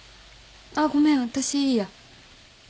あっごめん私いいや。